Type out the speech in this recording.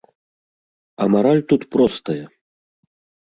А мараль тут простая.